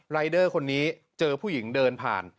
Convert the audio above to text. รายเดอร์คนนี้เจอผู้หญิงเดินผ่าน